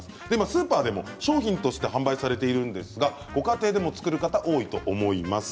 スーパーでも商品として販売されているんですがご家庭でも作る方多いと思います。